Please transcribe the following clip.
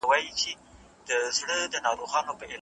د ټولنیز تعاملاتو د ارزښت د پوهیدو لپاره اړتیا سته.